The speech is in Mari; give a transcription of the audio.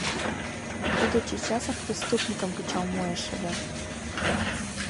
Тудо чечасак преступникым кычал муэш ыле.